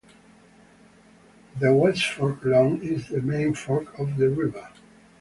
The West Fork, long, is the main fork of the river.